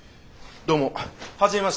どうもはじめまして。